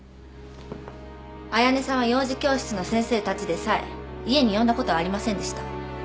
綾音さんは幼児教室の先生たちでさえ家に呼んだことはありませんでした。